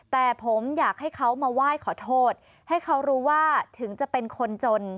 แต่ผมอยากให้เขามาไหว้ขอโทษให้เขารู้ว่าถึงจะเป็นคนจน